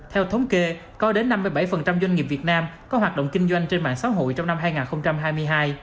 theo thống kê có đến năm mươi bảy doanh nghiệp việt nam có hoạt động kinh doanh trên mạng xã hội trong năm hai nghìn hai mươi hai